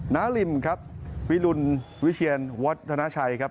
นาริมครับวิรุณวิเชียนวัฒนาชัยครับ